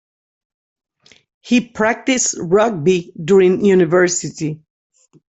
He practiced rugby during university.